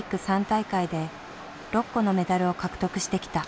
３大会で６個のメダルを獲得してきた。